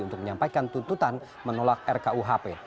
untuk menyampaikan tuntutan menolak rkuhp